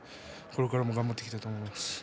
これからも頑張りたいと思います。